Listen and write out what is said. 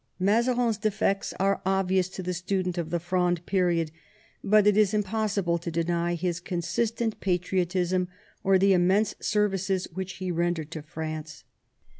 Mazarin's defects are obvious to the student of the Fronde period, but it is impossible to deny his consistent patriotism or the immense services which he rendered to France.